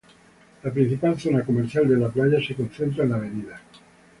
La principal zona comercial de la playa se concentra en la Av.